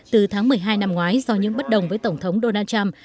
từ tháng một mươi hai năm ngoái do những bất đồng với tổng thống donald trump